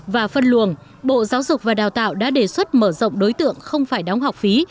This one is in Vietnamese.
và phân luồng bộ giáo dục và đào tạo đã đề xuất mở rộng đối tượng không phải đóng học phí